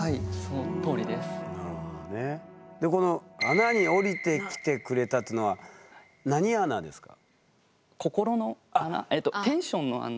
「穴に下りてきてくれた」っていうのは何穴ですか？